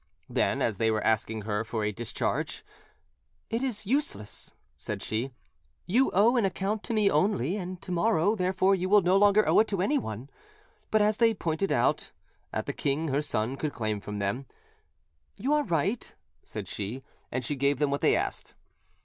Then, as they were asking her for a discharge, "It is useless," said she; "you owe an account to me only, and to morrow, therefore, you will no longer owe it to anyone"; but, as they pointed out that the king her son could claim from them, "You are right," said she; and she gave them what they asked.